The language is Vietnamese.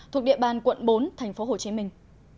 thuộc địa bàn quận bốn thành phố hồ chí minh